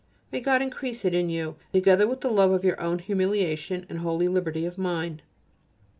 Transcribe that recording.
May God increase it in you, together with the love of your own humiliation and holy liberty of mind.